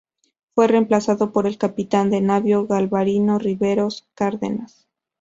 Fue reemplazado por el capitán de navío Galvarino Riveros Cárdenas.